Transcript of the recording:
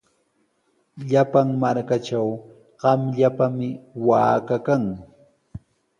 Llapan markatraw qamllapami waaka kan.